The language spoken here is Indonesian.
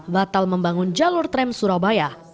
batal membangun jalur tram surabaya